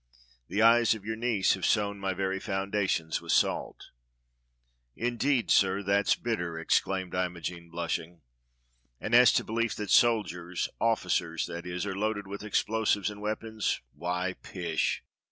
The eyes of your niece have sown my very foundations with salt." "Indeed, sir, that's bitter!" exclaimed Imogene, blushing. "And as to the belief that soldiers — officers, that is — are loaded with explosives and weapons, why, pish!